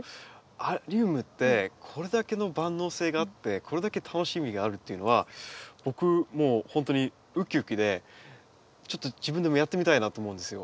アリウムってこれだけの万能性があってこれだけ楽しみがあるっていうのは僕もう本当にウキウキでちょっと自分でもやってみたいなと思うんですよ。